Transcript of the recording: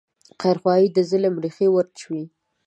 خیرخواهي د ظلم ریښې وروچوي.